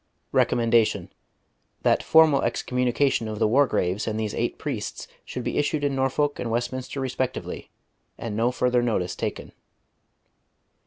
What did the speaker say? "Recommendation. That formal excommunication of the Wargraves and these eight priests should be issued in Norfolk and Westminster respectively, and no further notice taken."